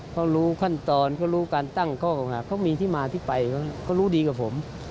เขารู้ขั้นตอนเขารู้การตั้งข้อเก่าหาเขามีที่มาที่ไปเขารู้ดีกับผม